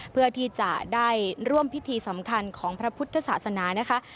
เพื่อที่จะได้ร่วมพิธีสำคัญของพระพุทธศาสนานะคะ